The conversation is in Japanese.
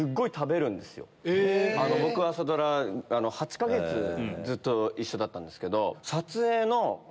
僕朝ドラ８か月ずっと一緒だったんですけど。